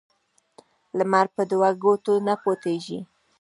لمر په دوه ګوتو نه پټیږي